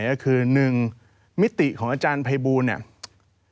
ก็คือหนึ่งมิติของอาจารย์พัยบูรณ์นี่